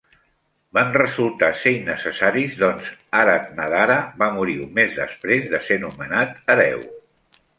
Van resultar ser innecessaris, doncs Aratnadara va morir un mes després de ser nomenat hereu.